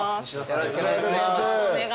よろしくお願いします。